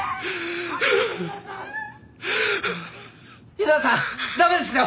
井沢さん駄目ですよ！